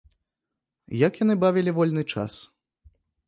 Як яны бавілі вольны час?